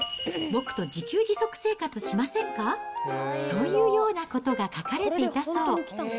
僕と自給自足生活しませんか？というようなことが書かれていたそう。